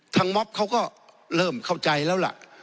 ม็อบเขาก็เริ่มเข้าใจแล้วล่ะ